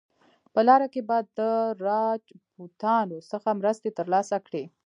په لاره کې به د راجپوتانو څخه مرستې ترلاسه کړي.